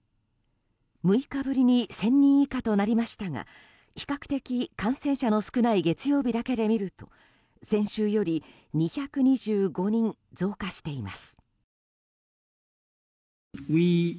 ６日ぶりに１０００人以下となりましたが比較的、感染者の少ない月曜日だけで見ると先週より２２５人増加しています。